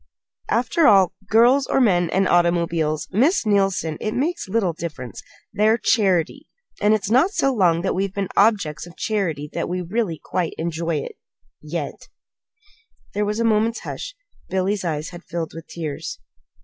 "After all, girls, or men and automobiles, Miss Neilson it makes little difference. They're charity. And it's not so long that we've been objects of charity that we quite really enjoy it yet." There was a moment's hush. Billy's eyes had filled with tears.